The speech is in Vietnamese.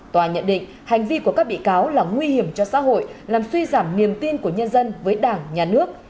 tòa nhận định hành vi của các bị cáo là nguy hiểm cho xã hội làm suy giảm niềm tin của nhân dân với đảng nhà nước